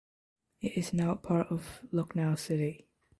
It is now part of Lucknow city.